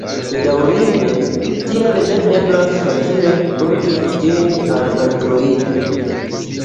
Bedaŭrinde tial ne eblas facile "porti" ĝin al Android.